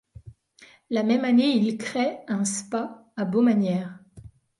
La même année, il crée un Spa à Baumanière.